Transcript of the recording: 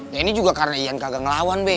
nah ini juga karena ian kagak ngelawan be